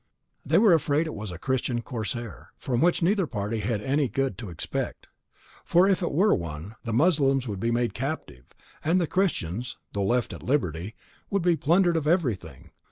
They were afraid it was a Christian corsair, from which neither party had any good to expect; for if it were one, the mussulmans would be made captive, and the Christians, though left at liberty, would be plundered of everything.